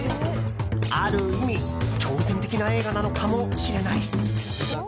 ある意味挑戦的な映画なのかもしれない。